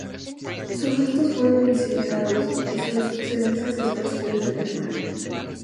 Sus restos fueron incinerados, y sus cenizas esparcidas en el mar.